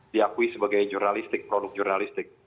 diakui sebagai jurnalistik produk jurnalistik